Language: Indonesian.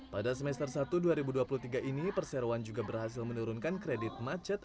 pada semester satu dua ribu dua puluh tiga ini perseroan juga berhasil menurunkan kredit macet